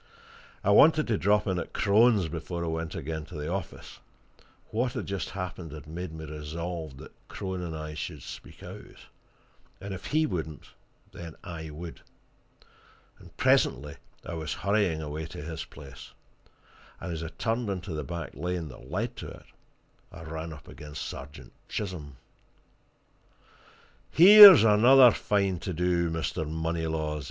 I wanted to drop in at Crone's before I went again to the office: what had just happened, had made me resolved that Crone and I should speak out; and if he wouldn't, then I would. And presently I was hurrying away to his place, and as I turned into the back lane that led to it I ran up against Sergeant Chisholm. "Here's another fine to do, Mr. Moneylaws!"